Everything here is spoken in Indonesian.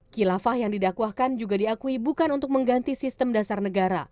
kilafah yang didakwahkan juga diakui bukan untuk mengganti sistem dasar negara